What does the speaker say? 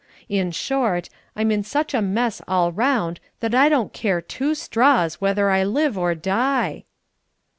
In short, I'm in such a mess all round that I don't care two straws whether I live or die!"